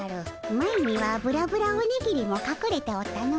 前にはブラブラオニギリもかくれておったの。